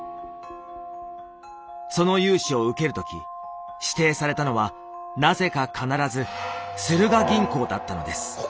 その融資を受ける時指定されたのはなぜか必ずスルガ銀行だったのです。